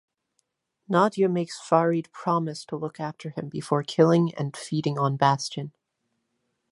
Nadja makes Farid promise to look after him before killing and feeding on Bastian.